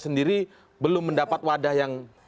sendiri belum mendapat wadah yang